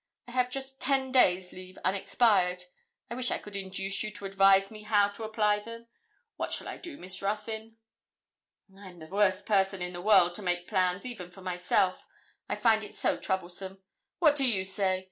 I have just ten days' leave unexpired; I wish I could induce you to advise me how to apply them. What shall I do, Miss Ruthyn?' 'I am the worst person in the world to make plans, even for myself, I find it so troublesome. What do you say?